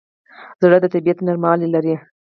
زړه د طبیعت نرموالی لري.